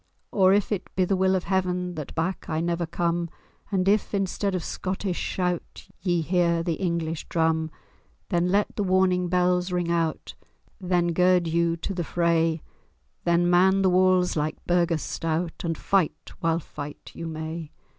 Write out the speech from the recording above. Or, if it be the will of Heaven That back I never come, And if, instead of Scottish shout, Ye hear the English drum, Then let the warning bells ring out, Then gird you to the fray, Then man the walls like burghers stout, And fight while fight you may.